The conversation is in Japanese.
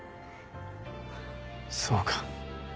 そうか。